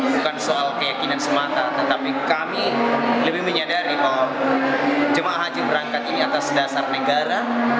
bukan soal keyakinan semata tetapi kami lebih menyadari bahwa jemaah haji berangkat ini atas dasar negara